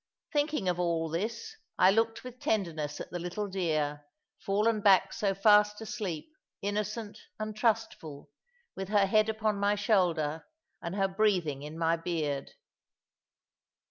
Thinking of all this, I looked with tenderness at the little dear, fallen back so fast asleep, innocent, and trustful, with her head upon my shoulder, and her breathing in my beard.